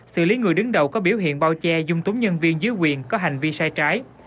xử lý người đứng đầu có biểu hiện bao che dung túng nhân viên dưới quyền có hành vi sai trái